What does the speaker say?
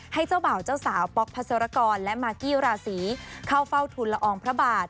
เจ้าบ่าวเจ้าสาวป๊อกพัศรกรและมากกี้ราศีเข้าเฝ้าทุนละอองพระบาท